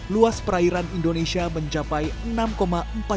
luas perairan indonesia mencapai enam empat triliun